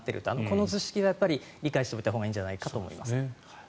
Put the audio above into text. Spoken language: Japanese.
この図式を理解したほうがいいんじゃないかと思います。